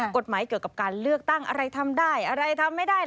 กฎหมายเกี่ยวกับการเลือกตั้งอะไรทำได้อะไรทำไม่ได้